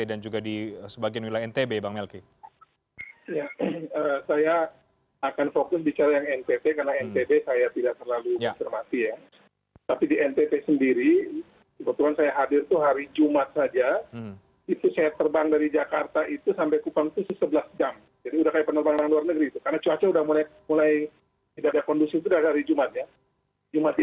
dan itu agak mendadak di